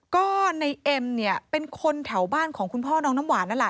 ก็ในเอ็มเนี่ยเป็นคนแถวบ้านของคุณพ่อน้องน้ำหวานนั่นแหละ